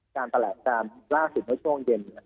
การตลาดการล่าสุดในช่วงเย็น